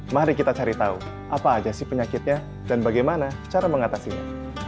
mari kita cari tahu apa aja sih penyakitnya dan bagaimana cara mengatasinya